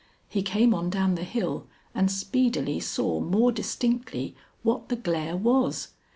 He came on down the hill and speedily saw more distinctly what the glare was.